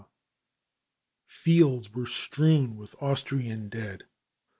Newman] Fields were strewn with Austrian dead.